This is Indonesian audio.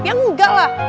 ya enggak lah